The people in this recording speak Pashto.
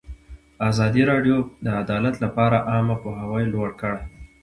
ازادي راډیو د عدالت لپاره عامه پوهاوي لوړ کړی.